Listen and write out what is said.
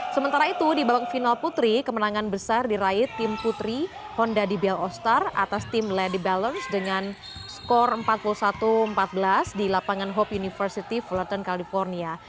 sementara itu di babak final putri kemenangan besar diraih tim putri honda dbl all star atas tim lady balance dengan skor empat puluh satu empat belas di lapangan hope university volatton california